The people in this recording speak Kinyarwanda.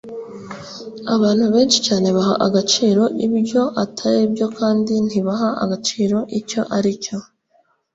“abantu benshi cyane baha agaciro ibyo atari byo kandi ntibaha agaciro icyo ari cyo.”